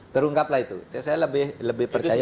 terungkaplah itu saya lebih percaya